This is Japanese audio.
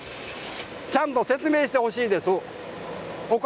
ちゃんと説明してほしいです。